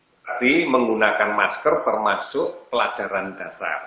berarti menggunakan masker termasuk pelajaran dasar